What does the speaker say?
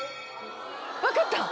分かった。